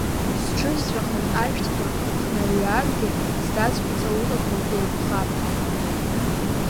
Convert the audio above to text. Зҽызҵәахыз ашәҭқәа хнарҩааргьы, здацқәа ҵаулақәоу еиқәхап.